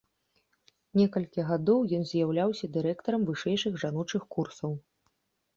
Некалькі гадоў ён з'яўляўся дырэктарам вышэйшых жаночых курсаў.